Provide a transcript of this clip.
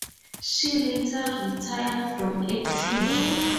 She later retired from acting.